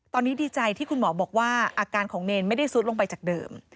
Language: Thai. ตอนนี้ดีใจที่คุณหมอบอกว่าอาการของเนรไม่ได้ซุดลงไปจากเดิม